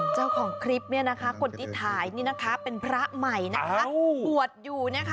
เจ้าของคลิปนี่นะคะคนที่ถ่ายนี่นะคะเป็นพระใหม่นะคะ